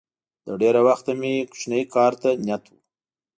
له ډېره وخته مې کوچني کار ته نیت و